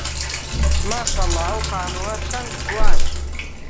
ماشەڵڵا ئەو خانووە چەند جوانە.